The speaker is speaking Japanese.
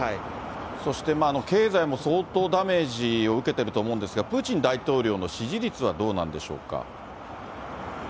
そして、経済も相当ダメージを受けてると思うんですが、プーチン大統領の支持率はどうなんでしょうか。